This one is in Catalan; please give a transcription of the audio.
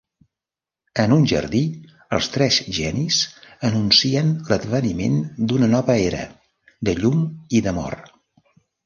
En un jardí, els tres genis anuncien l'adveniment d'una nova era, de llum i d'amor.